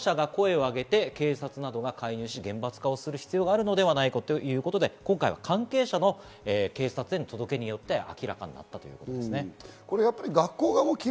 また生徒、保護者が声を上げて警察などが介入し、厳罰化をする必要があるのではないかということで、今回は関係者の警察への届けによって明らかになったということです。